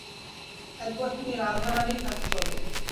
একবার তুমি রাধারানীর কাছে চলো।